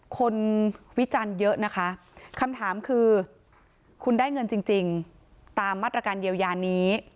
วิจารณ์เยอะนะคะคำถามคือคุณได้เงินจริงตามมาตรการเยียวยานี้